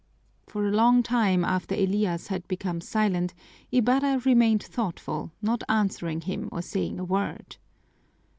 For a long time after Elias had become silent Ibarra remained thoughtful, not answering him or saying a word.